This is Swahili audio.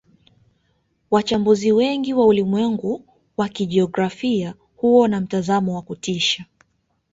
Wachambuzi wengi wa ulimwengu wa kijiografia huona mtazamo wa kutisha